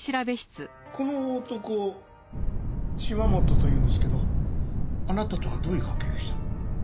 この男島本というんですけどあなたとはどういう関係でした？